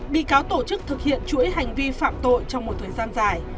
bị cáo tổ chức thực hiện chuỗi hành vi phạm tội trong một thời gian dài